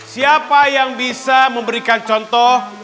siapa yang bisa memberikan contoh